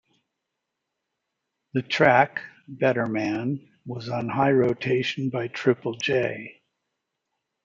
The track, "Betterman", was on high rotation by Triple J.